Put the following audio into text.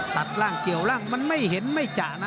ตัดล่างเกี่ยวร่างมันไม่เห็นไม่จ่านะ